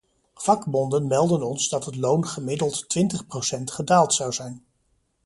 Vakbonden melden ons dat het loon gemiddeld twintig procent gedaald zou zijn.